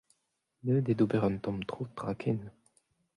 Deuet eo d'ober un tamm tro traken.